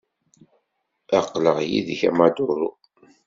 Aql-aɣ yid-k a Maduro.